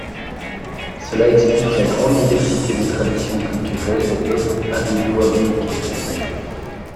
Cela explique la grande diversité des traditions culturelles des peuples aridoaméricains.